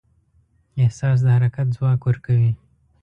احساس د حرکت ځواک ورکوي.